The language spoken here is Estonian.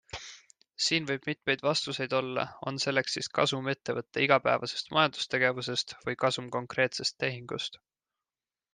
Siin võib mitmeid vastuseid olla, on selleks siis kasum ettevõtte igapäevasest majandustegevusest või kasum konkreetsest tehingust.